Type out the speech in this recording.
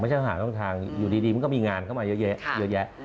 ไม่ใช่หาช่องทางอยู่ดีมีงานเข้ามาเยอะแยะ